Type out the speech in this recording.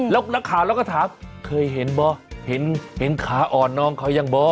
แล้วนักข่าวเราก็ถามเคยเห็นบ่เห็นขาอ่อนน้องเขายังบ่